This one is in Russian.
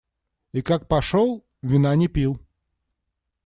И как пошел, вина не пил.